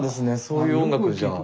そういう音楽じゃあ。